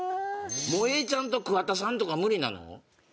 永ちゃんと桑田さんとか無理なの？